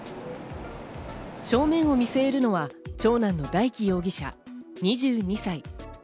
正面を見据えるのは長男の大祈容疑者、２２歳。